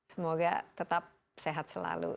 semoga tetap sehat selalu